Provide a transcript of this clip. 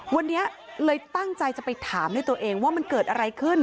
วันนี้เลยตั้งใจจะไปถามด้วยตัวเองว่ามันเกิดอะไรขึ้น